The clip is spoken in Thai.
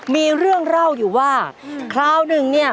มีเรื่องเล่าอยู่ว่าคราวหนึ่งเนี่ย